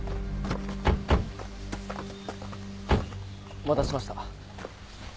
お待たせしました。